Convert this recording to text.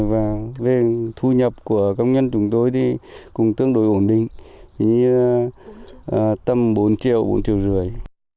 và về thu nhập của công nhân chúng tôi thì cũng tương đối ổn định như tầm bốn triệu bốn triệu rưỡi